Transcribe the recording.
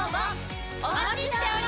お待ちしております！